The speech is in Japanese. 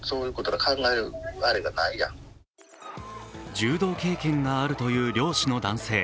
柔道経験があるという漁師の男性。